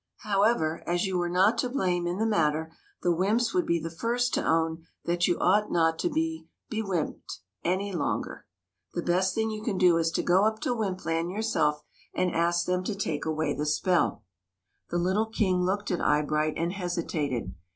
However, as you were not to blame in the matter, the wymps would be the first to own that you ought not to be bewymped any longer. The best thing you can do is to go up to Wympland yourself and ask them to take away the spell." The little King looked at Eyebright and hesitated.